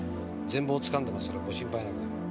全貌をつかんでますからご心配なく。